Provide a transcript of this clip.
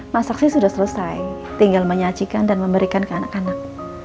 masaknya sudah selesai tinggal menyajikan dan memberikan ke anak anak